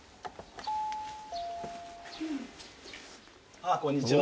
あっこんにちは。